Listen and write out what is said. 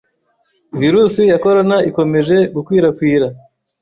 virus ya Corona ikomeje gukwirakwira,